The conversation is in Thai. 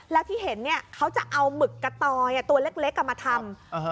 แล้วที่เห็นเขาจะเอาหมึกกะตอยตัวเล็กกลัวมาทำ